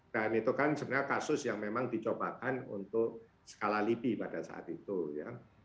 dan itu kan sebenarnya kasus yang memang dicobakan untuk skala libby pada saat itu ya